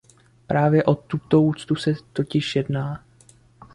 Právě o tuto úctu se totiž jedná.